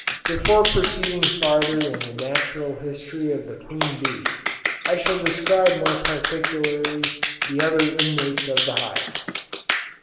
Before proceeding farther in the natural history of the queen bee, I shall describe more particularly, the other inmates of the hive.